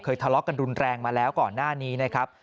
ทะเลาะกันรุนแรงมาแล้วก่อนหน้านี้นะครับ